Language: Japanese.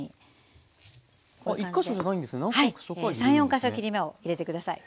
３４か所切り目を入れてください。